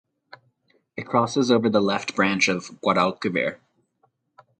It crosses over the left branch of Guadalquivir.